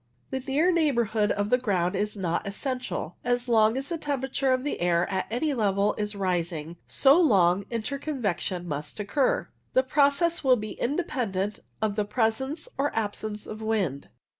The near neighbourhood of the ground is not essential. As long as the temperature of the air at any level is rising, so long interconvection must occur. The process will be independent of the presence or absence of wind.